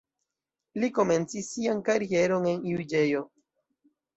Li komencis sian karieron en juĝejo.